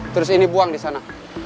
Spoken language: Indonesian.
terus ini buang disana